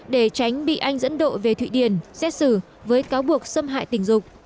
để tránh bị anh dẫn độ về thụy điển xét xử với cáo buộc xâm hại tình dục